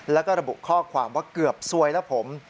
แล้วก็ระบุข้อความว่าเกือบซวยแล้วผม